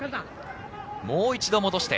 もう一度戻して。